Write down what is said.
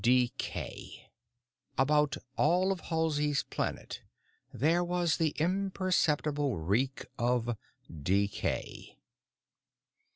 Decay. About all of Halsey's Planet there was the imperceptible reek of decay.